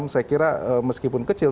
empat puluh enam saya kira meskipun kecil